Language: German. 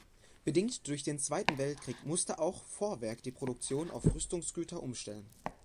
Bedingt durch den Zweiten Weltkrieg musste auch Vorwerk die Produktion auf Rüstungsgüter umstellen.